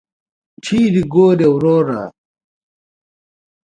چیري ګورې وروره !